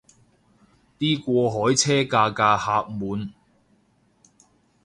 啲過海車架架客滿